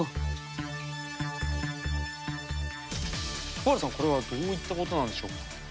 尾原さんこれはどういったことなんでしょうか？